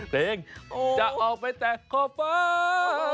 เพลงจะออกไปแต่ขอบฟ้า